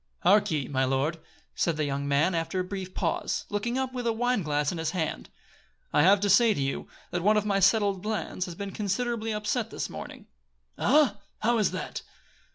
"Hark ye, my lord," said the young man, after a brief pause, looking up with a wine glass in his hand, "I have to say to you, that one of my settled plans has been considerably upset this morning." "Ah, how is that?"